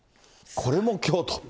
これも京都。